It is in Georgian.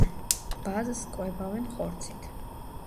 ბაზს კვებავენ ხორცით.